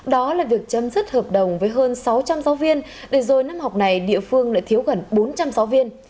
đó là việc chấm dứt hợp đồng với hơn sáu trăm linh giáo viên để rồi năm học này địa phương lại thiếu gần bốn trăm linh giáo viên